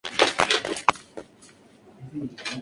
Casual en el resto.